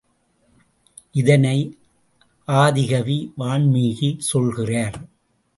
இதனை ஆதிகவி வான்மீகி சொல்கிறார்.